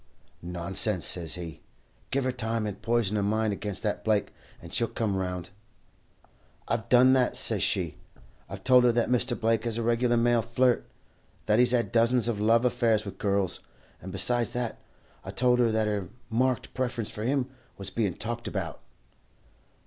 "'Nonsense!' says he. 'Give her time, and poison her mind against that Blake, and she'll come around.' "'I've done that,' says she. 'I've told her that Mr. Blake is a regular male flirt; that he's had dozens of love affairs with girls; and, besides that, I told her that her marked preference for him was being talked about.'